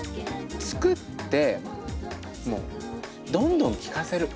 作ってもうどんどん聴かせる。